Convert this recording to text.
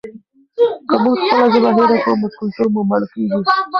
که موږ خپله ژبه هېره کړو کلتور مو مړ کیږي.